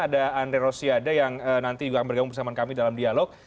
ada andre rosiade yang nanti juga akan bergabung bersama kami dalam dialog